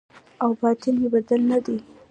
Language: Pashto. او باطن مې بدل نه دی